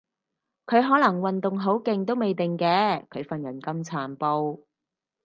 佢可能運動好勁都未定嘅，佢份人咁殘暴